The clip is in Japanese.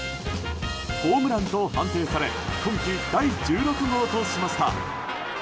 ホームランと判定され今季第１６号としました。